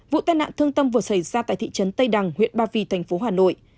vụ tai nạn thương tâm vừa xảy ra tại thị trấn tây đằng huyện ba vì thành phố hà nội